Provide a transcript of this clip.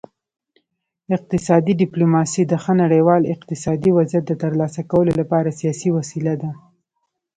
اقتصادي ډیپلوماسي د ښه نړیوال اقتصادي وضعیت د ترلاسه کولو لپاره سیاسي وسیله ده